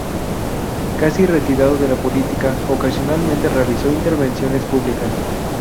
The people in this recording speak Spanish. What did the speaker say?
Casi retirado de la política, ocasionalmente realizó intervenciones públicas.